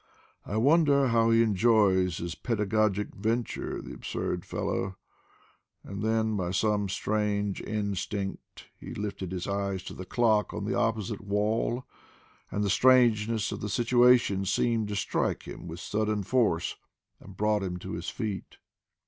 "I wonder how he enjoys his pedagogic venture, the absurd fellow," and then by some strange instinct he lifted his eyes to the clock on the opposite wall, and the strangeness of the situation seemed to strike him with sudden force and brought him to his feet.